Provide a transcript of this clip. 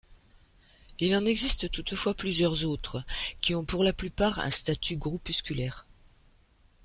Il en existe toutefois plusieurs autres, qui ont pour la plupart un statut groupusculaire.